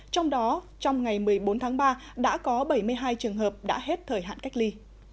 trong đó trong ngày một mươi bốn tháng ba đã có bảy mươi hai trường hợp đã hết thời hạn cách ly